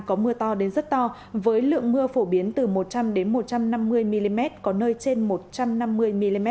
có mưa to đến rất to với lượng mưa phổ biến từ một trăm linh một trăm năm mươi mm có nơi trên một trăm năm mươi mm